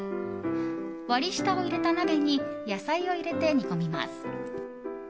割り下を入れた鍋に野菜を入れて煮込みます。